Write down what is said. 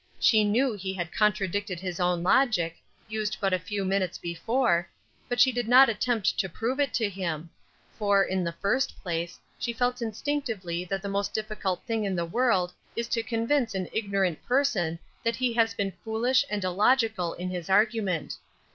She knew he had contradicted his own logic, used but a few minutes before, but she did not attempt to prove it to him; for, in the first place, she felt instinctively that the most difficult thing in the world is to convince an ignorant person that he has been foolish and illogical in his argument.